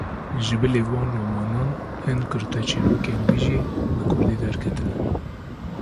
Ji bilî van romanan, hin kurteçîrrokên wî jî bi kurdî derketine.